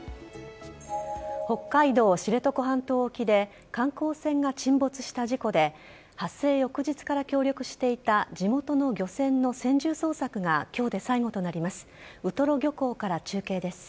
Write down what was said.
北海道知床半島沖で観光船が沈没した事故で発生翌日から協力していた地元の漁船の専従捜索が今日で最後となります。